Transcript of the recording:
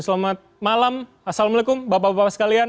selamat malam assalamualaikum bapak bapak sekalian